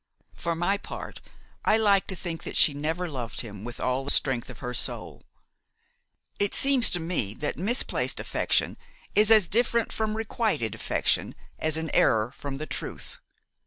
For my part, I like to think that she never loved him with all the strength of her soul. It seems to me that misplaced affection is as different from requited affection as an error from the truth.